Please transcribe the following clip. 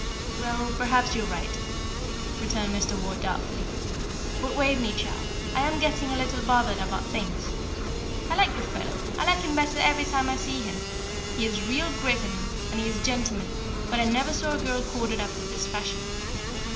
"Well, perhaps you are right," returned Mr. Ward, doubtfully. "But Waveney, child, I am getting a little bothered about things. I like the fellow, I like him better every time I see him he has real grit in him, and he is a gentleman; but I never saw a girl courted after this fashion."